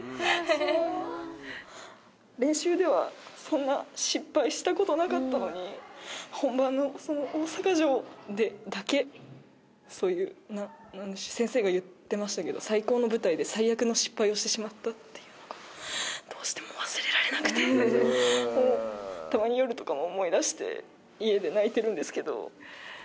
練習では、そんな失敗したことなかったのに、本番の、その大阪城でだけで、そういう、先生が言ってましたけど、最高の舞台で最悪の失敗をしてしまったというのが、どうしても忘れられなくて、たまに夜とかも思い出して、家で泣いてるんですけど。